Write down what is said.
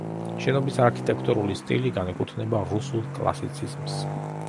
შენობის არქიტექტურული სტილი განეკუთვნება რუსულ კლასიციზმს.